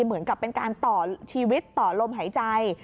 เหมือนกับเป็นการต่อชีวิตต่อลมหายใจ